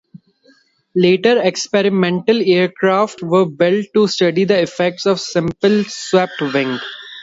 Later, experimental aircraft were built to study the effects of a simple swept wing.